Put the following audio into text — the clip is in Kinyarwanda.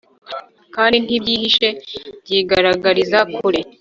kandi ntibyihishe, byigaragariza kure